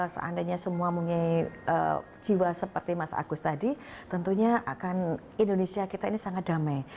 seandainya semua mempunyai jiwa seperti mas agus tadi tentunya akan indonesia kita ini sangat damai